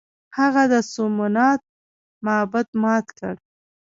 هغه د سومنات معبد مات کړ.